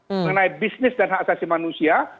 mengenai bisnis dan hak asasi manusia